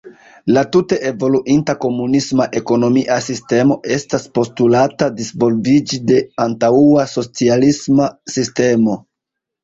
La tute evoluinta komunisma ekonomia sistemo estas postulata disvolviĝi de antaŭa socialisma sistemo.